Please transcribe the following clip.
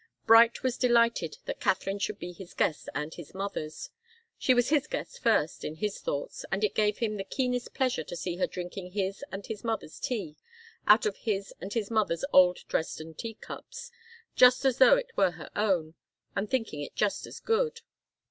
Bright was delighted that Katharine should be his guest and his mother's she was his guest first, in his thoughts, and it gave him the keenest pleasure to see her drinking his and his mother's tea out of his and his mother's old Dresden teacups, just as though it were her own, and thinking it just as good.